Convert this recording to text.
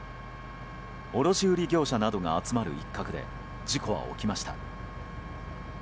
卸売業者などが集まる一角で事故は起きました。